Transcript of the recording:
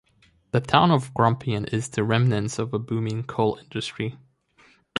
The town of Grampian is the remnants of a booming coal industry.